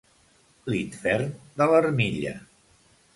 L'infern de l'armilla.